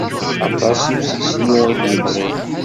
Aṭas n usisnu i d-yemɣin.